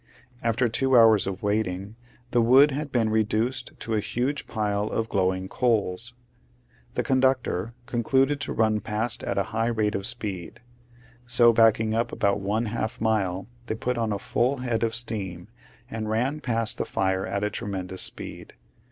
After two hours of waiting the wood had been reduced to a huge pile of glowing coals. The conductor concluded to run past at a high rate of speed; so backing up about one half mile they put on a full head of steam and ran past the fire at a tremendous speed.